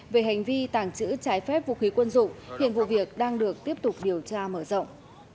về hành vi tàng trữ trái phép vũ khí quân dụng hiện vụ việc đang được tiếp tục điều tra mở rộng